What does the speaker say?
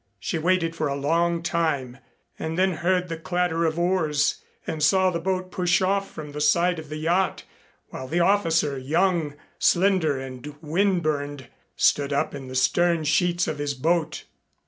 She waited for a long time and then heard the clatter of oars and saw the boat push off from the side of the yacht, while the officer, young, slender and windburned, stood up in the stern sheets of his boat.